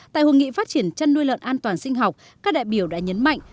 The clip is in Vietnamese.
tại hội nghị phát triển chăn nuôi lợn an toàn sinh học các đại biểu đã nhấn mạnh